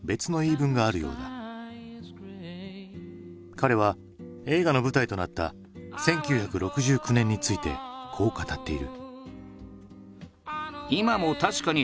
彼は映画の舞台となった１９６９年についてこう語っている。